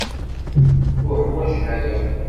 Uḥwaǧen aya.